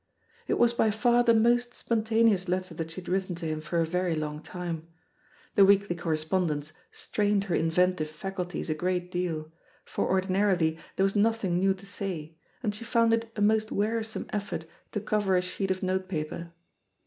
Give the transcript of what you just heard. It was by far the most spontaneous letter that she had written to him for a very long time. The weekly correspondence strained her inventive faculties a great deal, for ordinarily there was nothing new to say, and she found it a most wearisome effort to cover a sheet of notepaper.